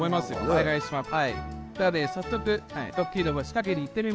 お願いします。